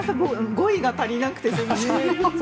語彙が足りなくて。